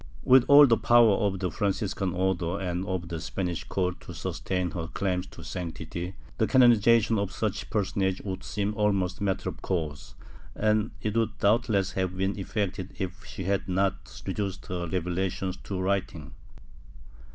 With all the power of the Franciscan Order and of the Spanish court to sustain her claims to sanctity, the canonization of such a personage would seem almost a matter of course, and it would doubtless have been effected if she had not reduced her revelations to writing.